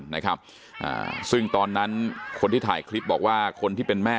นะครับอ่าซึ่งตอนนั้นคนที่ถ่ายคลิปบอกว่าคนที่เป็นแม่